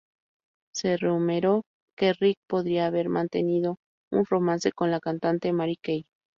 Se rumoreó que Rick podría haber mantenido un romance con la cantante Mariah Carey.